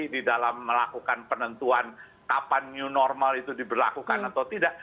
di dalam melakukan penentuan kapan new normal itu diberlakukan atau tidak